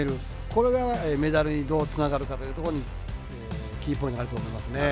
これがメダルにどうつながるかというところにキーポイントがあると思いますね。